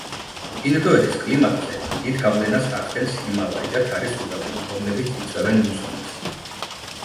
ინდოეთის კლიმატზე დიდ გავლენას ახდენს ჰიმალაი და თარის უდაბნო, რომლებიც იწვევენ მუსონებს.